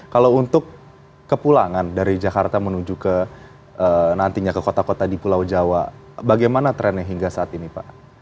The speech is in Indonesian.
kalau untuk kepulangan dari jakarta menuju ke nantinya ke kota kota di pulau jawa bagaimana trennya hingga saat ini pak